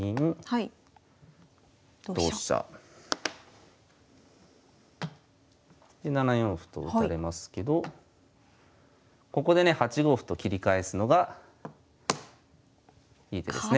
同飛車。で７四歩と打たれますけどここでね８五歩と切り返すのがいい手ですね。